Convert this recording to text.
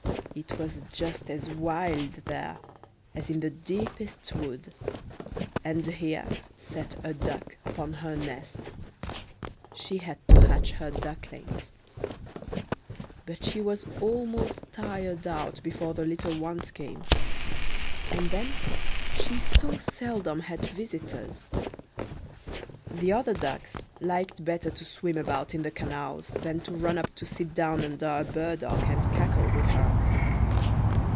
It was just as wild there as in the deepest wood, and here sat a Duck upon her nest; she had to hatch her ducklings; but she was almost tired out before the little ones came; and then she so seldom had visitors. The other ducks liked better to swim about in the canals than to run up to sit down under a burdock, and cackle with her.